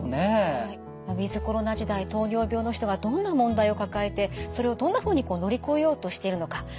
ウィズコロナ時代糖尿病の人がどんな問題を抱えてそれをどんなふうにこう乗り越えようとしているのか。